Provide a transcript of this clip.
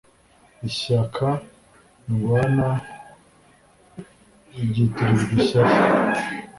Ishyaka ndwana ryitirirwa ishyari